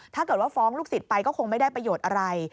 ถ้าเกิดว่าฟ้องลูกศิษย์ไปก็คงไม่ได้ประโยชน์อะไร